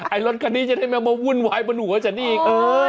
ไอ้รถคันนี้จะได้ไม่มาวุ่นวายบนหัวฉันนี่อีก